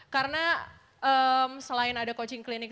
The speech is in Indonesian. karena selain ada coaching klinik